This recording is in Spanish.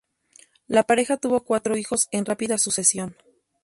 La pareja tuvo cuatro hijos en rápida sucesión.